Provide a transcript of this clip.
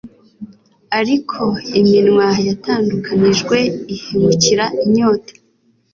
Ariko iminwa yatandukanijwe ihemukira inyota